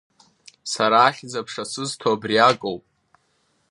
Сара ахьӡ-аԥша сызҭо абриакоуп.